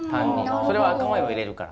それは赤ワインを入れるから。